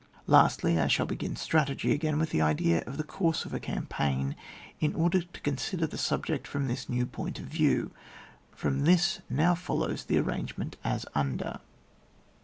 Lastly, I shall begin strategy again, with the idea of the course of a campaign, in order to consider the subject from this new point of view. From this now follows the arrangement as under.